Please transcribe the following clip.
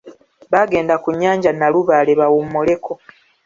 Baagenda ku nnyanja nalubaale bawummuleko.